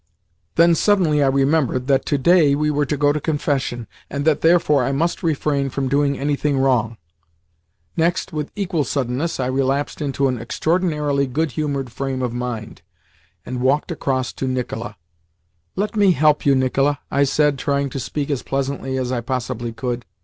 Then suddenly I remembered that to day we were to go to confession, and that therefore I must refrain from doing anything wrong. Next, with equal suddenness I relapsed into an extraordinarily goodhumoured frame of mind, and walked across to Nicola. "Let me help you, Nicola," I said, trying to speak as pleasantly as I possibly could.